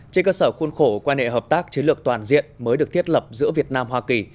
trên cơ sở khuôn khổ quan hệ hợp tác chiến lược toàn diện mới được thiết lập giữa việt nam hoa kỳ